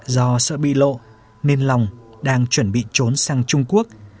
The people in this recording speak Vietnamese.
do sợ bị lộ nên long đang chuẩn bị trốn sang trung quốc